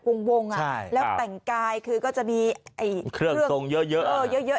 วงอ่ะใช่แล้วแต่งกายคือก็จะมีไอ้เครื่องทรงเยอะเยอะเออเยอะเยอะ